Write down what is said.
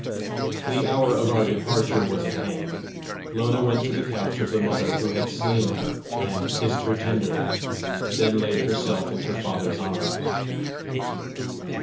The hour of our departure was at hand. Lona went to the couch of the mother who had slain her, and kissed her tenderly then laid herself in her father's arms.